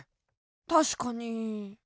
たしかに。